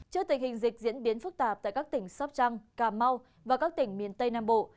trước tình hình dịch diễn biến phức tạp tại các tỉnh sóc trăng cà mau và các tỉnh miền tây nam bộ